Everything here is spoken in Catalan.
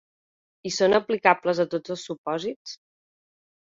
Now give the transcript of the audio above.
I són aplicables a tots els supòsits?